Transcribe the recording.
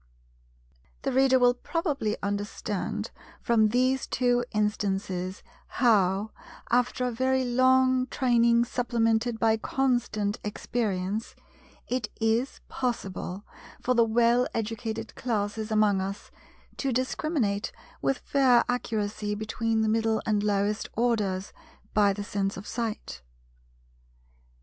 The Reader will probably understand from these two instances how—after a very long training supplemented by constant experience—it is possible for the well educated classes among us to discriminate with fair accuracy between the middle and lowest orders, by the sense of sight.